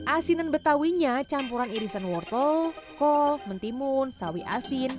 asinan betah wih nya campuran irisan wortel kol mentimun sawi asin